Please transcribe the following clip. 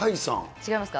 違いますか？